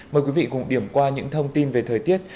mời quý vị cùng điểm qua những thông tin về thời tiết